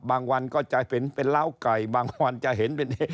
วันก็จะเห็นเป็นล้าวไก่บางวันจะเห็นเป็น